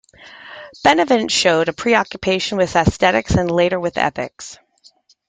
Benavente showed a preoccupation with aesthetics and later with ethics.